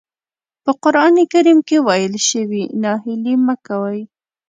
په قرآن کريم کې ويل شوي ناهيلي مه کوئ.